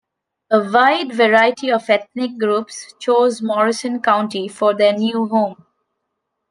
A wide variety of ethnic groups chose Morrison County for their new home.